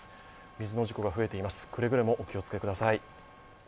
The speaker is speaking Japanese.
水の事故が増えています、くれぐれもお気をつけください。